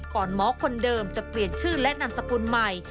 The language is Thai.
หมอคนเดิมจะเปลี่ยนชื่อและนามสกุลใหม่